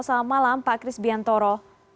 selamat malam pak kris biantoro